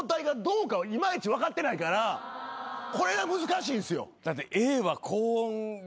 これが難しいんすよ。